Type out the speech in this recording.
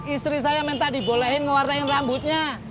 istri saya minta dibolehin ngewarnain rambutnya